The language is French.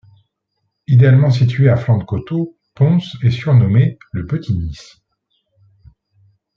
Idéalement situé à flanc de coteaux, Pons est surnommé le Petit Nice.